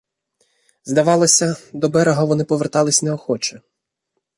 Здавалося, до берега вони повертались неохоче.